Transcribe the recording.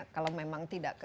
kalau memang tidak